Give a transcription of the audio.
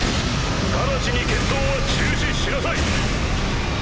直ちに決闘は中止しなさい！